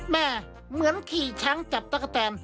เหมือนขี่ช้างจับตะกะแตน